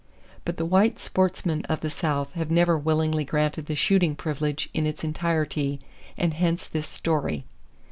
But the white sportsmen of the South have never willingly granted the shooting privilege in its entirety, and hence this story.